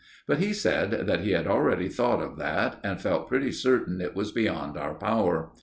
But he said that he had already thought of that, and felt pretty certain it was beyond our power.